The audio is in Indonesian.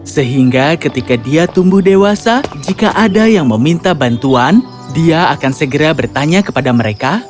sehingga ketika dia tumbuh dewasa jika ada yang meminta bantuan dia akan segera bertanya kepada mereka